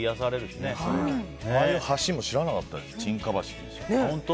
ああいう橋も知らなかったです本当？